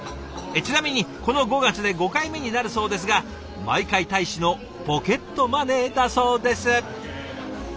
ちなみにこの５月で５回目になるそうですが毎回大使のポケットマネーだそうです。